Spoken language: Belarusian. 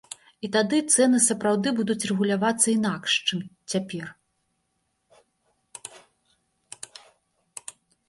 І тады цэны сапраўды будуць рэгулявацца інакш, чым цяпер.